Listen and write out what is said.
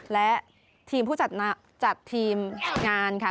และทีมผู้จัดทีมงานค่ะ